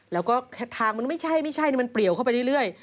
แล้วก็ทางมันไม่ใช่มันเปรียวเข้าไปเรื่อย